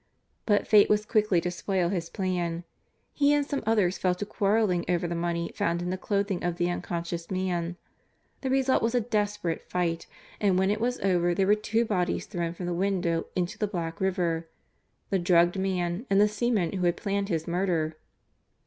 But fate was quickly to spoil his plan. He and some others fell to quarreling over the money found in the clothing of the unconscious man. The result was a desperate fight, and when it was over there were two bodies thrown from the window into the black river the drugged man and the seaman who had planned his murder.